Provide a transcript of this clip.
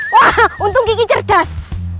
wah untung gigi cerdas